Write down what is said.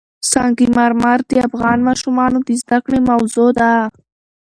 سنگ مرمر د افغان ماشومانو د زده کړې موضوع ده.